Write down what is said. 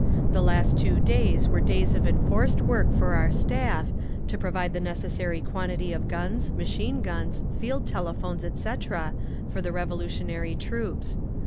The last two days were days of enforced work for our Staff, to provide the necessary quantity of guns, machine guns, field telephones, etc., for the revolutionary troops.